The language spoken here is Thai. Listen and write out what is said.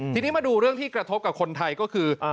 ทีนี้มาดูเรื่องที่กระทบกับคนไทยก็คือ